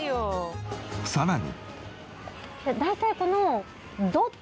さらに。